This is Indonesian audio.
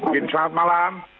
gini selamat malam